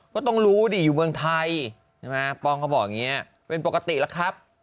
ก็ต้องรู้ดิอยู่เมืองไทยใช่ไหมป้องเขาบอกอย่างนี้เป็นปกติแล้วครับ